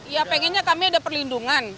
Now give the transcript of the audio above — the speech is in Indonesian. ya pengennya kami ada perlindungan